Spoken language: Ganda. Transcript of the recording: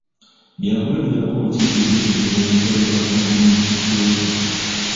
Byakulabirako ki eby'emirimu ebikolebwa adiminisituleeta.